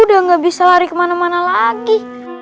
udah gak bisa lari kemana mana lagi